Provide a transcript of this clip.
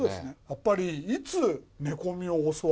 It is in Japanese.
やっぱり。